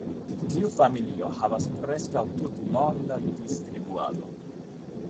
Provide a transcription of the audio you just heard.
Tiu familio havas preskaŭ tutmondan distribuadon.